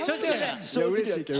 いやうれしいけど。